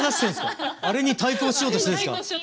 あれに対抗しようとしてるんですか。